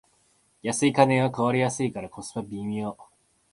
安い家電は壊れやすいからコスパ微妙